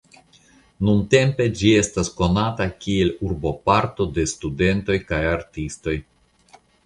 Nuntempe ĝi estas konata kiel urboparto de studentoj kaj artistoj.